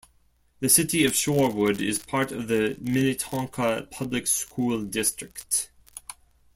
The city of Shorewood is part of the Minnetonka Public School District.